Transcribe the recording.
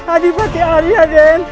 adipati aria adil